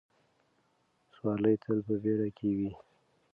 سوارلۍ تل په بیړه کې وي.